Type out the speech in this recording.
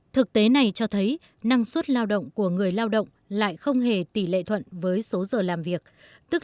thực tế này cho thấy năng suất lao động của người lao động lại không hề tỷ lệ thuận với số giờ làm việc